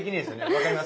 分かります。